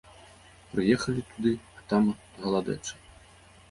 Прыехалі туды, а там галадэча.